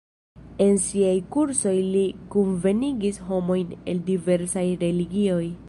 En siaj kursoj li kunvenigis homojn el diversaj religioj.